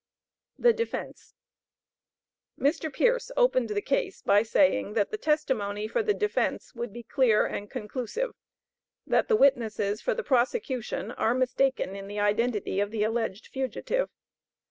The Defence. Mr. Pierce opened the case by saying that the testimony for the defence would be clear and conclusive; that the witnesses for the prosecution are mistaken in the identity of the alleged fugitive.